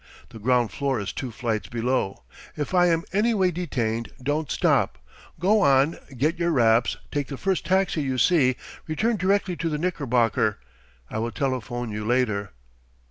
The ground floor is two flights below. If I am any way detained, don't stop go on, get your wraps, take the first taxi you see, return directly to the Knickerbocker. I will telephone you later."